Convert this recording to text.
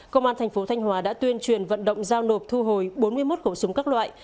công an thành phố thanh hòa đã tuyên truyền vận động giao nộp thu hồi bốn mươi một khẩu súng các loại